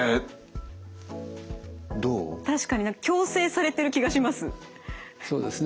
確かに矯正されてる気がします。